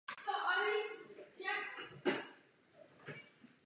Znatelné to bylo na velkém úbytku obyvatelstva.